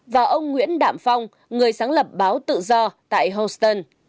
và ông nguyễn đạm phong người sáng lập báo tự do tại houston